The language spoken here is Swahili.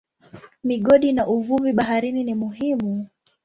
Migodi na uvuvi baharini ni muhimu.